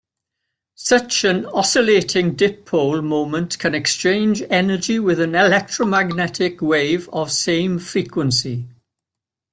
Such an oscillating dipole moment can exchange energy with an electromagnetic wave of same frequency.